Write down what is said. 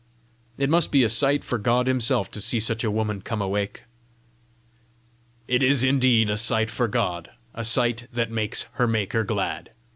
"It must be a sight for God Himself to see such a woman come awake!" "It is indeed a sight for God, a sight that makes her Maker glad!